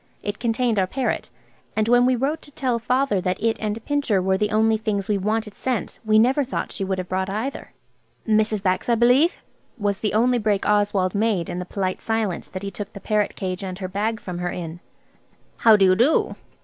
It contained our parrot, and when we wrote to tell Father that it and Pincher were the only things we wanted sent we never thought she would have brought either. "Mrs. Bax, I believe," was the only break Oswald made in the polite silence that he took the parrot cage and her bag from her in. "How do you do?"